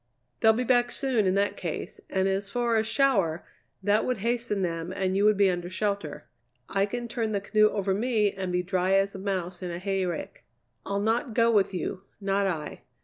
"They'll be back soon in that case, and as for a shower, that would hasten them and you would be under shelter. I can turn the canoe over me and be dry as a mouse in a hayrick. I'll not go with you, not I.